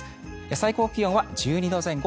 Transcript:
最高気温は１２度前後。